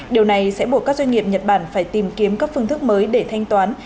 điều này sẽ buộc các doanh nghiệp nhật bản phải tìm kiếm các phương thức mới để thanh toán